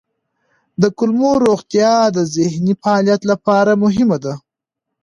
د کولمو روغتیا د ذهني فعالیت لپاره مهمه ده.